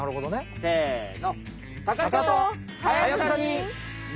せの。